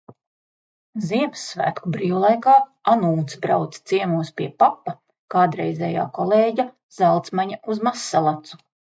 Ziemassvētku brīvlaikā Anūts brauca ciemos pie papa kādreizējā kolēģa, Zalcmaņa, uz Mazsalacu.